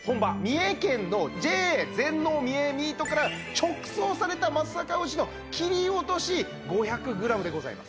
三重県のＪＡ全農みえミートから直送された松阪牛の切り落とし５００グラムでございます。